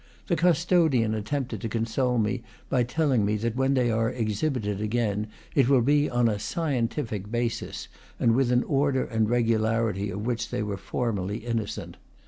The custodian attempted to con sole me by telling me that when they are exhibited again it will be on a scientific basis, and with an order and regularity of which they were formerly innocent.